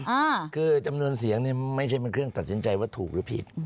อ่าคือจำนวนเสียงเนี่ยไม่ใช่เป็นเครื่องตัดสินใจว่าถูกหรือผิด